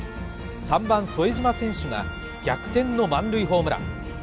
３番副島選手が逆転の満塁ホームラン。